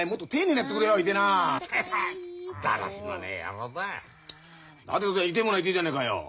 だって父ちゃんいてえものはいてえじゃねえかよ。